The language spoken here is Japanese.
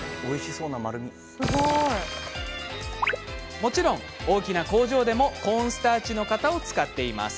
もちろん、大きな工場でもコーンスターチの型を使っています。